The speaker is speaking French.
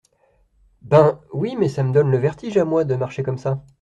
Ben ! oui, mais ça me donne le vertige, à moi, de marcher comme ça !